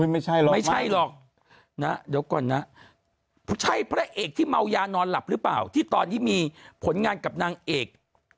ไม่ใช่หรอกไม่ใช่หรอกนะเดี๋ยวก่อนนะใช่พระเอกที่เมายานอนหลับหรือเปล่าที่ตอนที่มีผลงานกับนางเอก